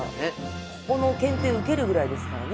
ここの検定受けるぐらいですからね。